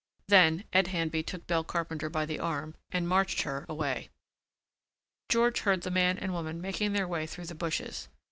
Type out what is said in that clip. Then Ed Handby took Belle Carpenter by the arm and marched her away. George heard the man and woman making their way through the bushes.